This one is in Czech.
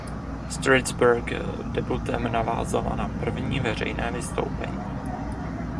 Stridsberg debutem navázala na první veřejné vystoupení.